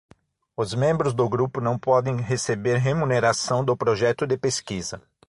Os membros do grupo não podem receber remuneração do projeto de pesquisa.